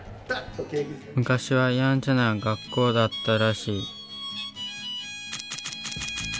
昔はやんちゃな学校だったらしい。